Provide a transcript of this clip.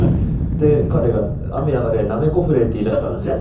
で彼が「雨上がれなめこ降れ」って言い出したんですよ。